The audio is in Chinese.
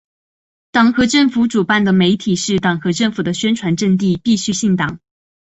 党和政府主办的媒体是党和政府的宣传阵地，必须姓党。